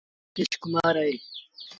هڪڙي روٚ نآلو مڪيش ڪمآر اهي۔